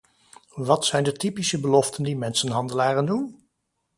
Wat zijn de typische beloften die mensenhandelaren doen?